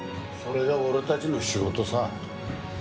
それが俺たちの仕事さ。